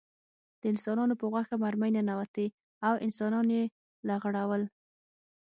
د انسانانو په غوښه مرمۍ ننوتې او انسانان یې لغړول